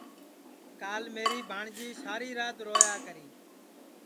کال میری بھانٚٹؔجی ساری رات رویا کری